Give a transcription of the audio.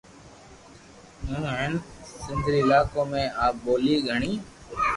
ھون ھين سند ري علاقون ۾ آ ٻولي گھڻي